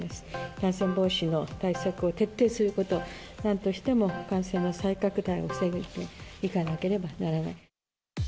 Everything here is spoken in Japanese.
感染防止の対策を徹底すること、なんとしても感染の再拡大を防いでいかなければならない。